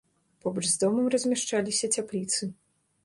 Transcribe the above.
Побач з домам размяшчаліся цяпліцы.